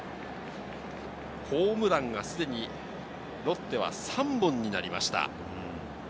ホームランがすでにロッテは３本になりました。